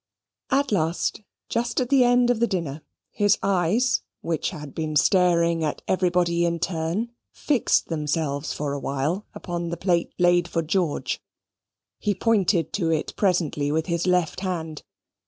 At last, just at the end of the dinner, his eyes, which had been staring at everybody in turn, fixed themselves for a while upon the plate laid for George. He pointed to it presently with his left hand.